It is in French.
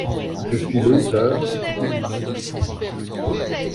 Je suis l'auteur...